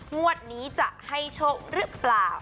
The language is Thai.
งวดนี้จะให้โชคหรือเปล่า